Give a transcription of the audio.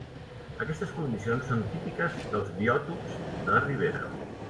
Aquestes condicions són típiques pels biòtops de ribera.